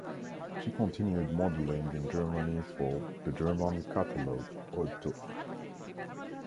She continued modelling in Germany for the German catalogue Otto.